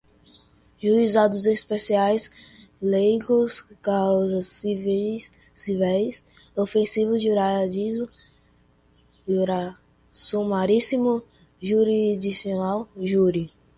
juizados especiais, leigos, causas cíveis, ofensivo, sumaríssimo, jurisdicional, júri